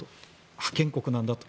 覇権国なんだと。